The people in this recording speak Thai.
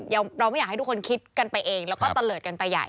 เราไม่อยากให้ทุกคนคิดกันไปเองแล้วก็ตะเลิศกันไปใหญ่